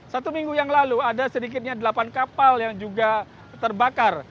satu minggu yang lalu ada sedikitnya delapan kapal yang juga terbakar